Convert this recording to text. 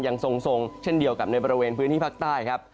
ยังทรงเช่นเดียวกับในบริเวณพื้นที่ภาคใต้ครับ